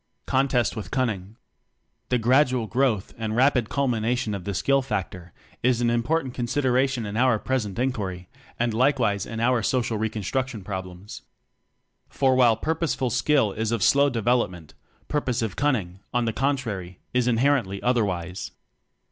Contest With Cunning. The gradual growth and rapid culmination of the Skill factor is an important consideration in our present inquiry and likewise in our Social Reconstruction problems. For while Purposive Skill is of slow de velopment Purposive Cunning, on the contrary, is inherently otherwise.